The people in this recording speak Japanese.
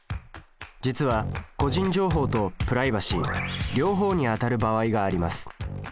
実は個人情報とプライバシー両方にあたる場合があります。